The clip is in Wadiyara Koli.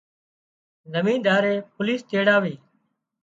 زميندائي پوليش تيڙاوي